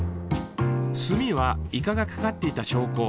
墨はイカが掛かっていた証拠。